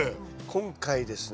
今回ですね